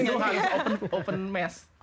itu harus open mask